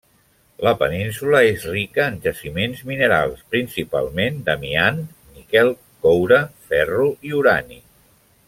La península és rica en jaciments minerals, principalment d'amiant, níquel, coure, ferro i urani.